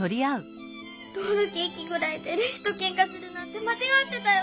ロールケーキぐらいでレスとけんかするなんてまちがってたよ。